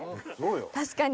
確かに。